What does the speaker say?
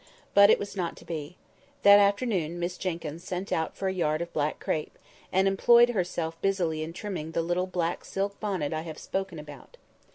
But it was not to be. That afternoon Miss Jenkyns sent out for a yard of black crape, and employed herself busily in trimming the little black silk bonnet I have spoken about.